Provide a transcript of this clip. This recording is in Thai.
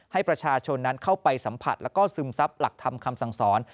ให้ประชาชนนั้นเข้าไปสัมผัสแล้วก็ซึมซับหลักธรรมคำสั่งสอน